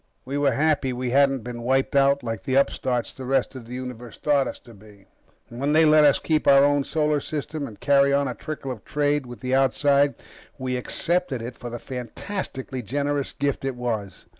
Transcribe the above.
We were happy we hadn't been wiped out like the upstarts the rest of the Universe thought us to be. When they let us keep our own solar system and carry on a trickle of trade with the outside, we accepted it for the fantastically generous gift it was.